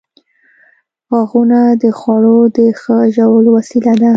• غاښونه د خوړو د ښه ژولو وسیله ده.